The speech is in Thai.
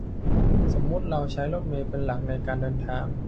สมมติเราใช้รถเมล์เป็นหลักในการเดินทาง